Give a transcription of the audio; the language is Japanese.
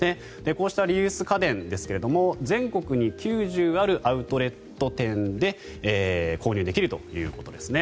こうしたリユース家電ですが全国に９０あるアウトレット店で購入できるということです。